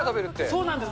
そうなんです。